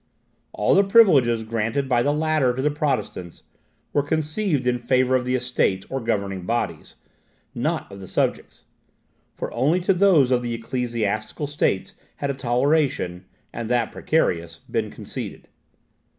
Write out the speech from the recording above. All the privileges granted by the latter to the Protestants, were conceived in favour of the Estates or governing bodies, not of the subjects; for only to those of the ecclesiastical states had a toleration, and that precarious, been conceded.